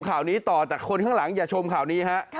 ข่าวนี้ต่อแต่คนข้างหลังอย่าชมข่าวนี้ฮะ